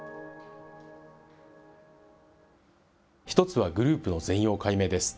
１つは、グループの全容解明です。